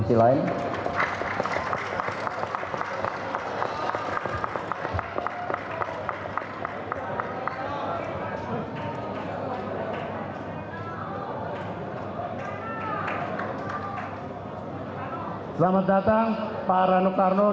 selamat datang pak ranu karno